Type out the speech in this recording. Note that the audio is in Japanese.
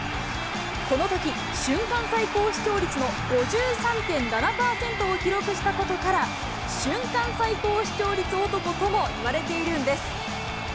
そのとき、瞬間最高視聴率の５３．７％を記録したことから、瞬間最高視聴率男とも呼ばれているんです。